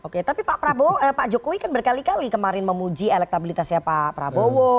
oke tapi pak prabowo pak jokowi kan berkali kali kemarin memuji elektabilitasnya pak prabowo